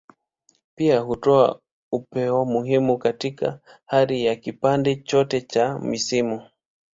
Pia hutoa uwepo muhimu katika hali ya kipande chote cha misimu.